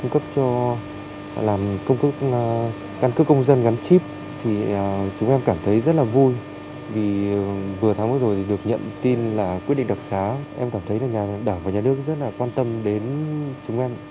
chúng em cảm thấy rất là vui vì vừa tháng mới rồi được nhận tin là quyết định đặc xá em cảm thấy là nhà đảng và nhà nước rất là quan tâm đến chúng em